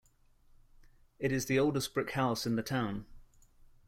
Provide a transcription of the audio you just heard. It is the oldest brick house in the town.